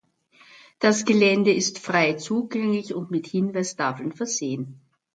Das Gelände ist frei zugänglich und mit Hinweistafeln versehen.